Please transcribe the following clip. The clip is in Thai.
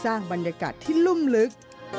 สร้างบรรยากาศที่ลุ่มลึก